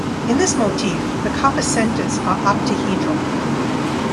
In this motif, the copper centers are octahedral.